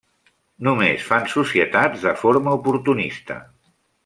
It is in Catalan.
Només fan societats de forma oportunista.